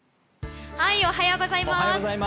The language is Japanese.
おはようございます。